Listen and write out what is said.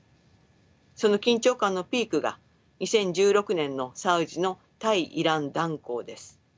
その緊張感のピークが２０１６年のサウジの対イラン断交です。